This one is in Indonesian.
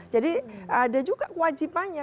jadi ada juga kewajibannya